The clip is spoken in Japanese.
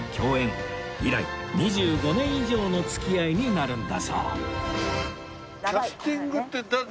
以来２５年以上の付き合いになるんだそう